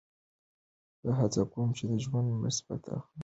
زه هڅه کوم چې د ژوند مثبت اړخونه زیات کړم.